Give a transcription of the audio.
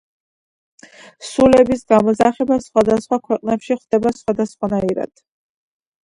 სულების გამოძახება სხვადასხვა ქვეყნებში ხდება სხვადასხვანაირად.